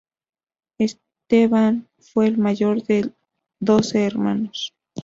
Esteban fue el mayor de doce hermanos.